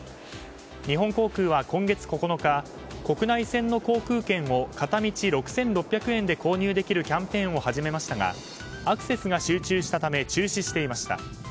日本航空は今月９日国内線の航空券を片道６６００円で購入できるキャンペーンを始めましたがアクセスが集中したため中止していました。